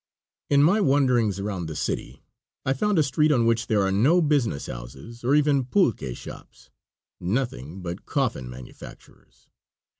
In my wanderings around the city I found a street on which there are no business houses or even pulque shops nothing but coffin manufacturers.